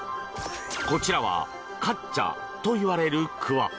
こちらはカッチャといわれるくわ。